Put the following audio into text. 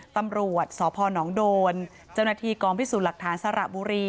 ตำรวจสพนโดนเจ้าหน้าที่กองพิสูจน์หลักฐานสระบุรี